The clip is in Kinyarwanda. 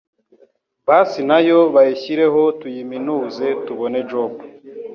Basi nayo bayishyireho tuyiminuze tubone job